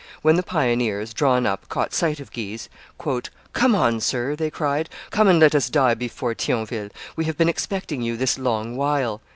When the pioneers, drawn up, caught sight of Guise, "Come on, sir," they cried, "come and let us die before Thionville; we have been expecting you this long while."